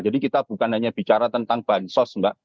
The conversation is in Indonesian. jadi kita bukan hanya bicara tentang bansos mbak